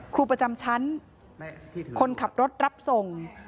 ครูประจำชั้นคนขับรถรับส่ง